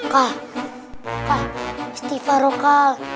kal istighfar kal